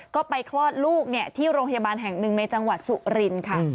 ก็ไปคลอดลูกที่โรงพยาบาลแห่งหนึ่งในจังหวัดสุรินค่ะ